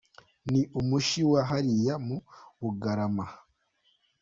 Ni umushi wa hariya mu Bugarama.